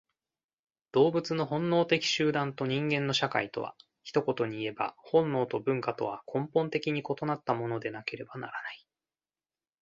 動物の本能的集団と人間の社会とは、一言にいえば本能と文化とは根本的に異なったものでなければならない。